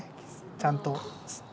ちゃんと。